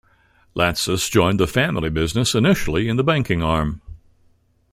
Latsis joined the family business initially in the banking arm.